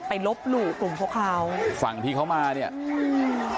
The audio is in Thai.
ไปลบหลู่กลุ่มโคคาวฝั่งที่เขามาเนี่ยอืม